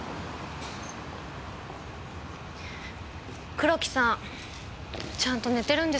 黒木さんちゃんと寝てるんですかね。